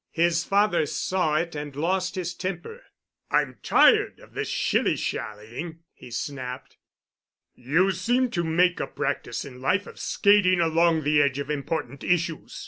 His father saw it and lost his temper. "I'm tired of this shilly shallying," he snapped. "You seem to make a practice in life of skating along the edge of important issues.